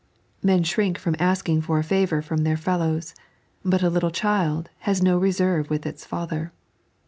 Men shrink from asking for a favour from their fellows, but a little child has no reserve with its father.